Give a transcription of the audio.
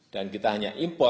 dan kita hanya import